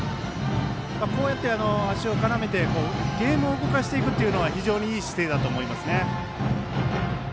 こうやって足を絡めてゲームを動かしていくというのは非常にいい姿勢だと思います。